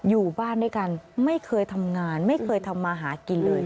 อยู่บ้านด้วยกันไม่เคยทำงานไม่เคยทำมาหากินเลย